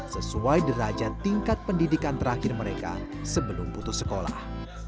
sesuai derajat tingkat pendidikan terakhir mereka sebelum putus sekolah